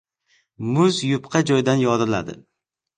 • Muz yupqa joydan yoriladi.